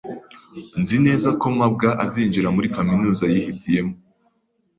Nzi neza ko mabwa azinjira muri kaminuza yihitiyemo.